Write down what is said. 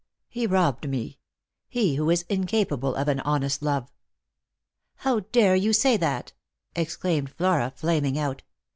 He robbed me — he who is incapable of an honest love." " How dare you say that ?" exclaimed Flora, flaming out.